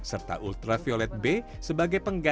serta ultraviolet b sebagai pengganti